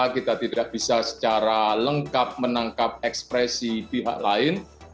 kita tidak bisa secara lengkap menangkap ekspresi pihak lain